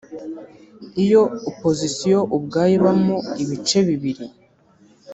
Iyo opposition ubwayo ibamo ibice bibiri